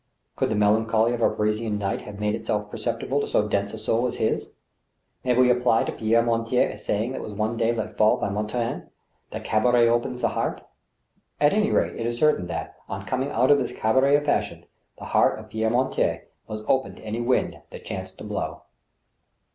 Could the melancholy of a Parisian night have made itself per ceptible to so dense a soul as his ? May we apply to Pierre Mortier a saying that was one day let fall by Lamartine, " The cabaret opens the heart "? At any rate, it is certain that, on coming out of this cabaret of fashion, the heart of Pierre Mortier was open to any wind that chanced to blow.